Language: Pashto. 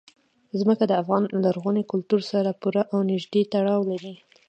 ځمکه د افغان لرغوني کلتور سره پوره او نږدې تړاو لري.